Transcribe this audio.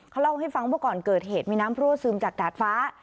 เขาเล่าให้ฟังว่าก่อนเกิดเหตุมีน้ำรั่วซึมจากดาดฟ้า